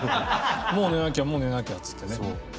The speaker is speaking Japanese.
もう寝なきゃもう寝なきゃっつってね。